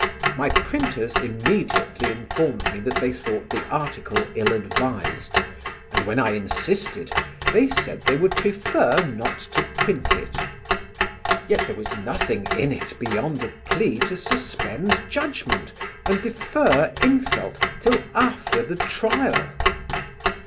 My printers immediately informed me that they thought the article ill advised, and when I insisted they said they would prefer not to print it. Yet there was nothing in it beyond a plea to suspend judgment and defer insult till after the trial.